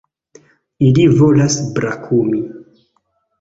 Ili volas brakumi!